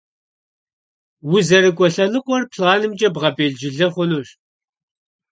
УзэрыкӀуэ лъэныкъуэр планымкӀэ бгъэбелджылы хъунущ.